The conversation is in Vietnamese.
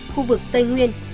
khu vực tây nguyên